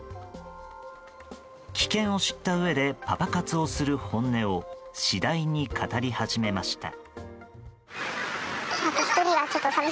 危険を知ったうえでパパ活をする本音を次第に語り始めました。